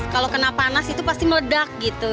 kalau kena panas itu pasti meledak gitu